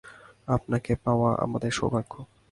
আপনাকে পাওয়া আমাদের সৌভাগ্য।